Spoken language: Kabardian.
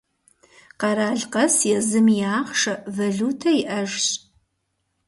Къэрал къэс езым и ахъшэ – валютэ иӏэжщ.